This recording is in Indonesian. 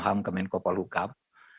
ham kemenko polhukam